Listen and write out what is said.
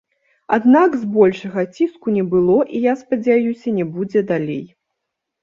Аднак, збольшага, ціску не было і я спадзяюся, не будзе далей.